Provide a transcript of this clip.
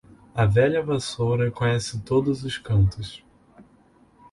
A velha vassoura conhece todos os cantos.